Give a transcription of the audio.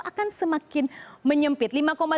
akan semakin menyempit